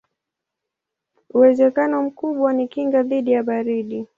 Uwezekano mkubwa ni kinga dhidi ya baridi.